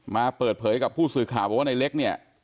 มาเปิดเผยกับผู้สื่อข่าวบอกว่าในเล็กเนี่ย